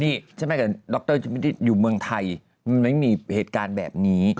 นี่ใช่ไหมดรเจออยู่เมืองไทยมันไม่มีเหตุการณ์แบบนี้